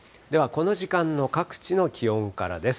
この時間の各地の気温からです。